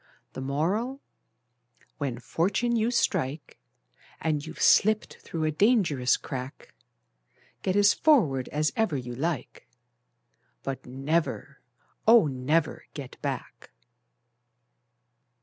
The Moral: When fortune you strike, And you've slipped through a dangerous crack, Get as forward as ever you like, But never, oh, never get back!